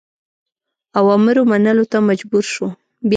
اوامرو منلو ته مجبور شو.